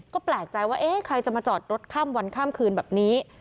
ก็แปลกใจว่าใครจะมาจอดรถคลื่นแบบนี้